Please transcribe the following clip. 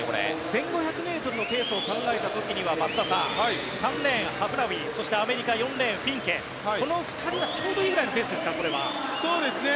１５００ｍのペースを考えた時には松田さん３レーン、ハフナウイそしてアメリカ、４レーンフィンケ、この２人はちょうどいいくらいのペースですか。